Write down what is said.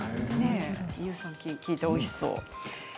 乳酸菌が利いておいしいそう。